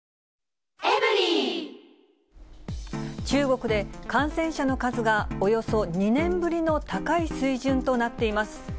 中国で、感染者の数がおよそ２年ぶりの高い水準となっています。